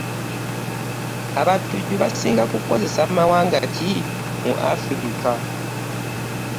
Abatujju basing kukozesa mawanga ki mu Africa?